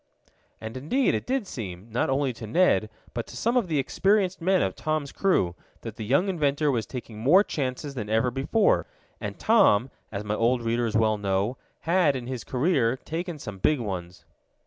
And indeed it did seem, not only to Ned, but to some of the experienced men of Tom's crew, that the young inventor was taking more chances than ever before, and Tom, as my old readers well know, had, in his career, taken some big ones.